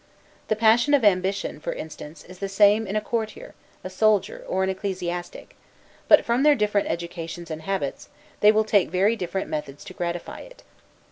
The passion of ambition, for instance, is the same in a courtier, a soldier, or an ecclesiastic; but, from their different educations and habits, they will take very different methods to gratify it.